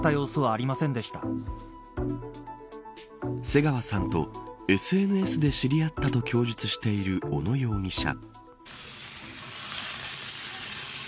瀬川さんとＳＮＳで知り合ったと供述している小野容疑者。